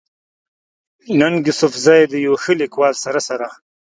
ننګ يوسفزۍ د يو ښه ليکوال سره سره